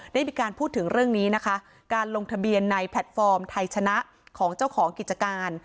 ได้มีการพูดถึงเรื่องนี้นะคะการลงทะเบียนในแพลตฟอร์มไทยชนะของเจ้าของกิจการ